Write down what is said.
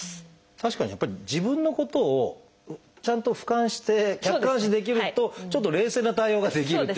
確かにやっぱり自分のことをちゃんと俯瞰して客観視できるとちょっと冷静な対応ができるっていうかね